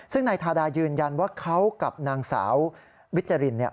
ซึ่งนายทาดายืนยันว่าเขากับนางสาววิจาริน